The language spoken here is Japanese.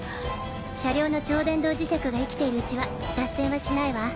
車両の超電導磁石が生きているうちは脱線はしないわ。